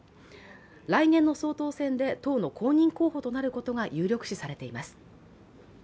来年の総統選で党の公認候補となることが有力視されています。